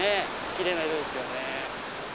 きれいな色ですよね。